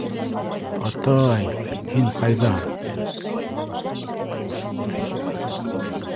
— Ата-ай, һин ҡайҙа.